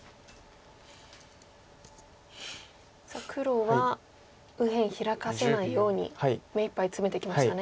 黒は右辺ヒラかせないようにめいっぱいツメてきましたね。